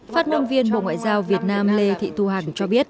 phát ngôn viên bộ ngoại giao việt nam lê thị thu hằng cho biết